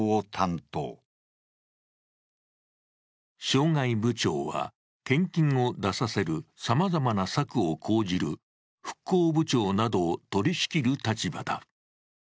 渉外部長は、献金を出させるさまざまな策を講じる復興部長などを取り仕切る立場だ。